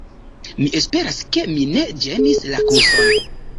Mi esperas ke mi ne ĝenis la kurson.